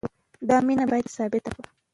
دا مینه باید ثابته کړو.